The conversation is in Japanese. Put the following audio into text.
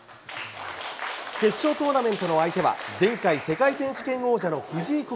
決勝トーナメントの相手は、前回、世界選手権王者の藤井快。